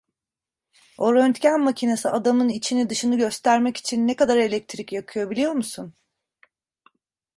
O röntgen makinesi adamın içini dışını göstermek için ne kadar elektrik yakıyor, biliyor musun?